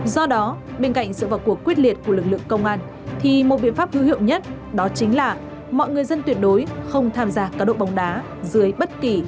do đó bên cạnh sự vào cuộc quyết liệt của lực lượng công an thì một biện pháp hữu hiệu nhất đó chính là mọi người dân tuyệt đối không tham gia cá độ bóng đá dưới bất kỳ